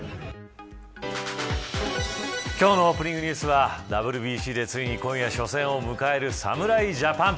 今日のオープニングニュースはＷＢＣでついに今夜初戦を迎える侍ジャパン。